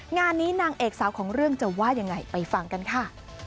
งานนี้นางเอกสาวของเรื่องจะว่ายังไงไปฟังกันค่ะ